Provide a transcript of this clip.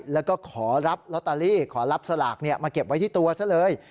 แล้วก็ขอรับลอตเตอรี่ขอรับสลากมาเก็บไว้ที่ตัวซะเลย